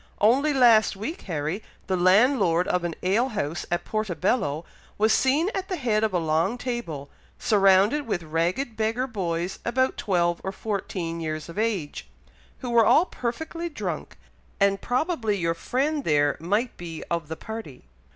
Only last week, Harry, the landlord of an ale house at Portobello was seen at the head of a long table, surrounded with ragged beggar boys about twelve or fourteen years of age, who were all perfectly drunk, and probably your friend there might be of the party."